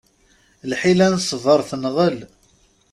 Lḥila n ṣṣber tenɣel.